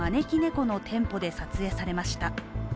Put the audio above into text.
この店舗で撮影されました。